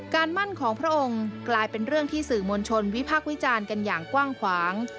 มั่นของพระองค์กลายเป็นเรื่องที่สื่อมวลชนวิพากษ์วิจารณ์กันอย่างกว้างขวาง